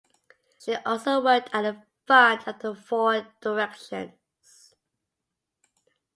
She also worked at the Fund of the Four Directions.